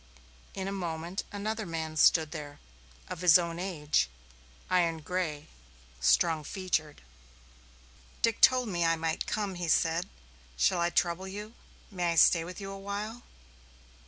In a moment another man stood there, of his own age, iron gray, strong featured. "Dick told me I might come," he said. "Shall I trouble you? May I stay with you awhile?"